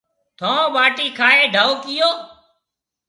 ٿون ٻاٽِي کائي ڍئو ڪيئو۔